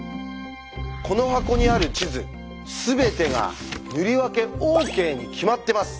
この箱にある地図全てが塗り分けＯＫに決まってます。